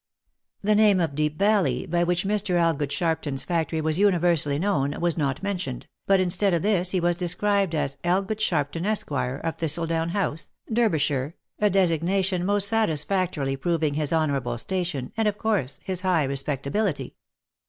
The name of Deep Valley, by which Mr. Elgood Sharpton's factory was universally known, was not mentioned, but instead of this he was described as Elgood Sharpton Esq., of Thistledown House, Derby shire, a designation most satisfactorily proving his honourable station, and, of course, his high respectability.